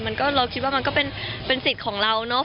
เราคิดว่ามันก็เป็นสิทธิ์ของเราเนอะ